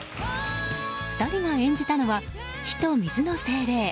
２人が演じたのは火と水の精霊。